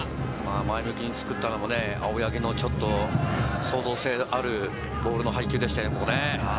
前向きに作ったのも青柳の創造性あるボールの配球でしたね。